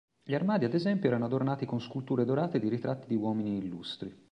Gli armadi, ad esempio, erano adornati con sculture dorate di ritratti di uomini illustri.